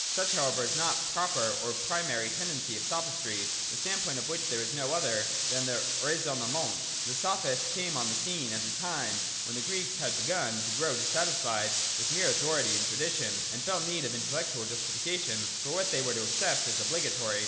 Such however is not the proper or primary tendency of Sophistry : the standpoint of which is no other than that of ' Raisonne ment.' The Sophists came on the scene at a time when the Greeks had begun to grow dissatisfied with mere authority and tradition and felt the need of intellectual justification for what they were to accept as obligatory.